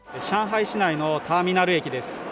上海市内のターミナル駅です。